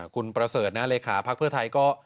คุณประเสริฐนะเลยค่ะพพไทยก็